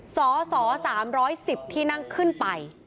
สส๓๑๐ที่นั่งขึ้นไป